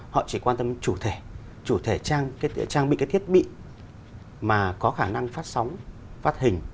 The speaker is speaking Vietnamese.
họ chỉ quan tâm đến chủ thể chủ thể trang bị cái thiết bị mà có khả năng phát sóng phát hình